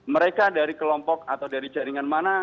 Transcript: mereka dari kelompok atau dari jaringan mana